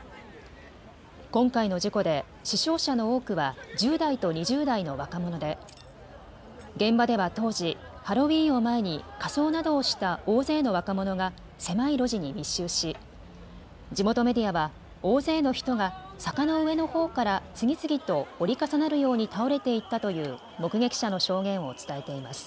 今回の事故で死傷者の多くは１０代と２０代の若者で現場では当時、ハロウィーンを前に仮装などをした大勢の若者が狭い路地に密集し地元メディアは大勢の人が坂の上のほうから次々と折り重なるように倒れていったという目撃者の証言を伝えています。